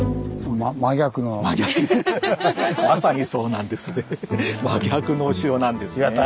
真逆まさにそうなんですね。